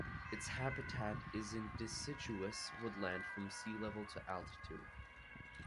Its habitat is in deciduous woodland from sea level to altitude.